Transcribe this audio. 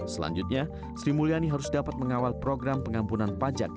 selanjutnya sri mulyani harus dapat mengawal program pengampunan pajak